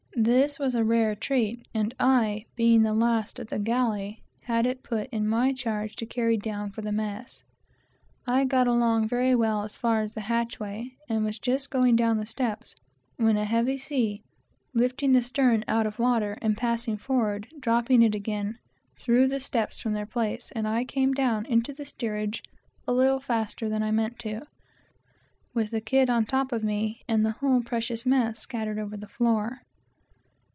This was a rare treat, and I, being the last at the galley, had it put in my charge to carry down for the mess. I got along very well as far as the hatchway, and was just getting down the steps, when a heavy sea, lifting the stern out of water, and passing forward, dropping it down again, threw the steps from their place, and I came down into the steerage a little faster than I meant to, with the kid on top of me, and the whole precious mess scattered over the floor.